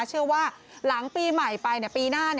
เชื่อว่าหลังปีใหม่ไปปีหน้า